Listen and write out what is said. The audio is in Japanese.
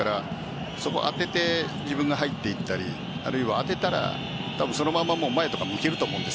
当てて、自分が入っていったりあるいは当てたらそのまま前とか向けると思うんです。